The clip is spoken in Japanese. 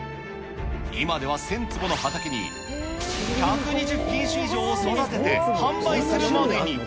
今では１０００坪の畑に１２０品種以上を育てて、販売するまでに。